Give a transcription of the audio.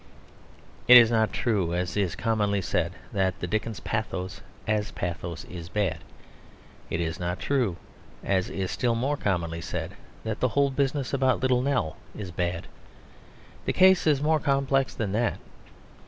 It is not true, as is commonly said, that the Dickens pathos as pathos is bad. It is not true, as is still more commonly said, that the whole business about Little Nell is bad. The case is more complex than that.